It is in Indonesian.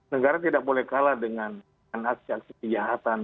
negara tidak boleh kalah dengan aksi aksi kejahatan